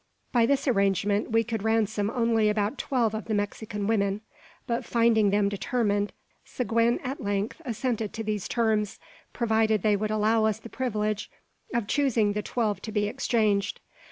By this arrangement, we could ransom only about twelve of the Mexican women; but finding them determined, Seguin at length assented to these terms, provided they would allow us the privilege of choosing the twelve to be exchanged.